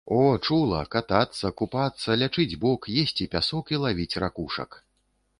О, чула, катацца, купацца, лячыць бок, есці пясок і лавіць ракушак.